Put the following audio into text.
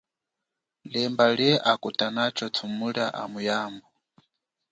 Lemba, lie akutanatsho thumulia amu yambu.